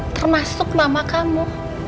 termasuk mama kamu